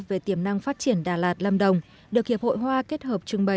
về tiềm năng phát triển đà lạt lâm đồng được hiệp hội hoa kết hợp trưng bày